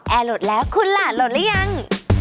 แอร์โหลดแล้วคุณล่ะโหลดแล้วยัง